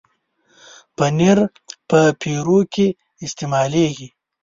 پنېر په پیروکي کې استعمالېږي.